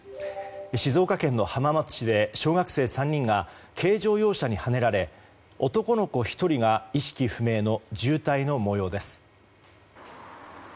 静岡県浜松市で小学生３人が軽乗用車にはねられ男の子１人が意識不明の重体の模様です。